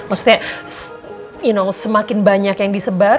maksudnya semakin banyak yang disebar